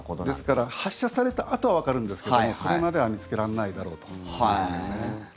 ですから発射されたあとはわかるんですけどもそれまでは見つけられないだろうということですね。